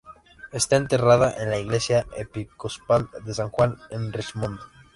Está enterrada en la iglesia episcopal de San Juan, en Richmond.